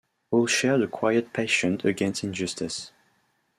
All shared a quiet passion against injustice.